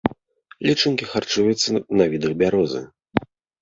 Лічынкі харчуюцца на відах бярозы.